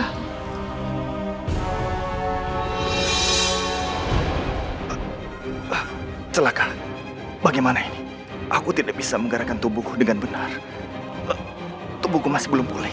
hai selaka bagaimana aku tidak bisa menggerakkan tubuh dengan benar tubuhku masih belum pulih